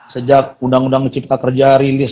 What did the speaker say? sejak undang undang cipta kerja rilis